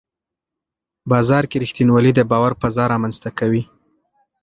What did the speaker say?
بازار کې رښتینولي د باور فضا رامنځته کوي